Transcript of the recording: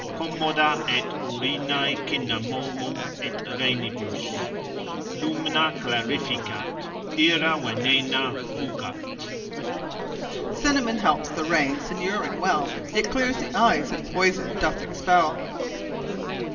Commoda & urinæ Cinnamomum, & renibus Lumina clarificat, dira venena fugat. (affert: _Cinnamon helps the Reines and Urine well, It cleares the Eyes, and Poison doth expell.